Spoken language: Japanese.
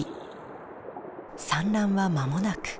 産卵は間もなく。